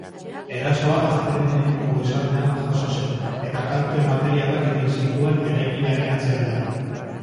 Erasoa astelehen goizaldean jazo zen, eta kalte materialak egin zituen eraikinaren atzealdean.